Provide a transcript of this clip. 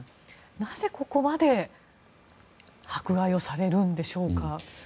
なぜここまで迫害をされるんでしょうか。